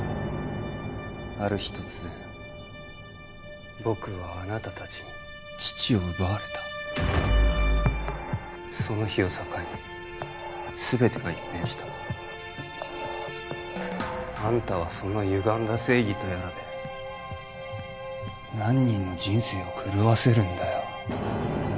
ある日突然僕はあなた達に父を奪われたその日を境に全てが一変したあんたはそのゆがんだ正義とやらで何人の人生を狂わせるんだよ？